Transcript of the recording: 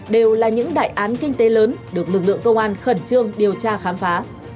đều là những đại án kinh tế lớn được lực lượng công an khẩn trương điều tra khám phá